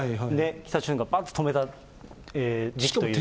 北朝鮮がぱっと止めた、時期というのが。